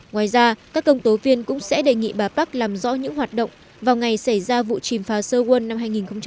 ngoài ra các công tố viên cũng sẽ đề nghị bà park làm rõ những hoạt động vào ngày xảy ra vụ chìm phá seowon năm hai nghìn một mươi chín